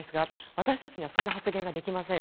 私たちにはそんな発言はできません